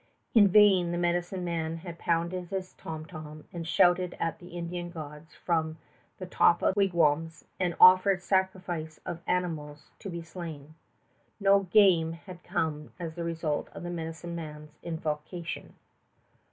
In vain the medicine man had pounded his tom tom and shouted at the Indian gods from the top of the wigwams and offered sacrifice of animals to be slain. No game had come as the result of the medicine man's invocation.